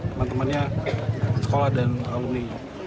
teman temannya sekolah dan alumni